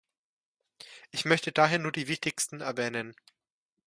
Ich möchte daher nur die wichtigsten erwähnen.